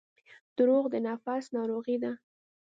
• دروغ د نفس ناروغي ده.